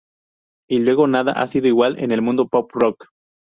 Ya luego nada ha sido igual en el mundo pop-rock.